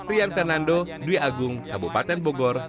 rian fernando dwi agung kabupaten bogor